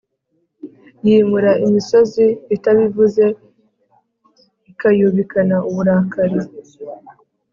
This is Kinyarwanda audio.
Yimura imisozi itabivuze Ikayubikana uburakari